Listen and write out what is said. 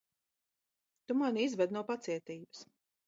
Tu mani izved no pacietības.